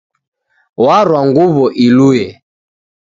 Warwa nguwo iluye